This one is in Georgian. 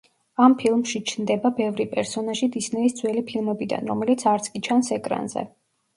ამ ფილმში ჩნდება ბევრი პერსონაჟი დისნეის ძველი ფილმებიდან, რომელიც არც კი ჩანს ეკრანზე.